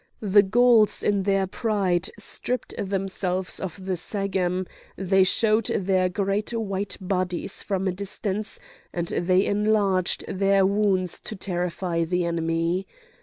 The Gauls in their pride stripped themselves of the sagum; they showed their great white bodies from a distance, and they enlarged their wounds to terrify the enemy.